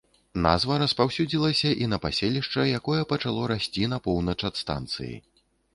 Назва распаўсюдзілася і на паселішча, якое пачало расці на поўнач ад станцыі.